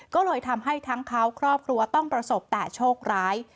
ก็เลยทำให้ทั้งเขาครอบครัวต้องประสบแต่โชคร้าย